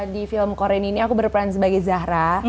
di film korean ini aku berperan sebagai zahra